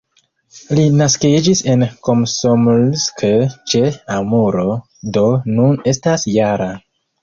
Li naskiĝis en Komsomolsk-ĉe-Amuro, do nun estas -jara.